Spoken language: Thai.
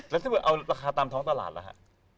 แล้วถ้าเอาราคาตามท้องตลาดล่ะครับ